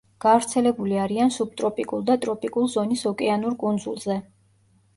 გავრცელებული არიან სუბტროპიკულ და ტროპიკულ ზონის ოკეანურ კუნძულზე.